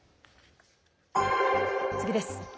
次です。